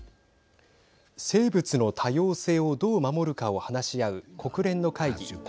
生物の多様性をどう守るかを話し合う国連の会議